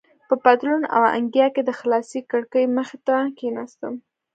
په پتلون او انګیا کې د خلاصې کړکۍ مخې ته کېناستم.